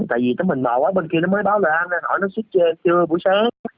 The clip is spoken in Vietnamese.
tại vì tấm hình mờ quá bên kia nó mới báo lời anh anh hỏi nó suýt chưa buổi sáng